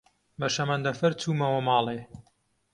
بە شەمەندەفەر چوومەوە ماڵێ.